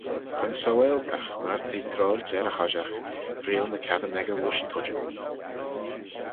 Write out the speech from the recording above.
Ta'n saualtagh myr te troailt er y hoshiaght freayl ny cassyn echey voish tuittym.